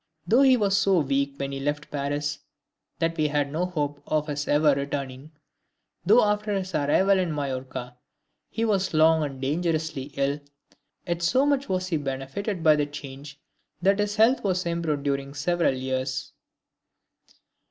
Though he was so weak when he left Paris that we had no hope of his ever returning; though after his arrival in Majorca he was long and dangerously ill; yet so much was he benefited by the change that big health was improved during several years.